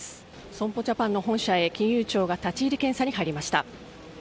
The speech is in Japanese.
損保ジャパンの本社へ、金融庁が立ち入り検査に入りました。